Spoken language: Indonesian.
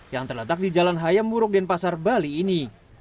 yang terletak di jalan hayam murug dan pasar bali ini